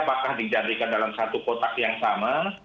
apakah dijanjikan dalam satu kotak yang sama